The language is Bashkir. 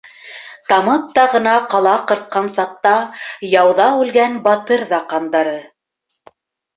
Тамып та ғына ҡала ҡырҡҡан саҡта Яуҙа үлгән батыр ҙа ҡандары.